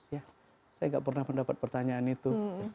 saya tidak pernah mendapat pertanyaan itu